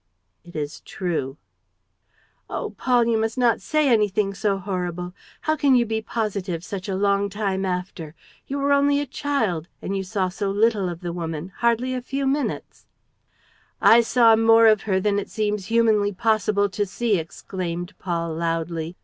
"It is true." "Oh, Paul, you must not say anything so horrible! How can you be positive, such a long time after? You were only a child; and you saw so little of the woman ... hardly a few minutes ..." "I saw more of her than it seems humanly possible to see," exclaimed Paul, loudly.